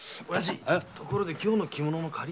ところで今日の着物の借り賃だが。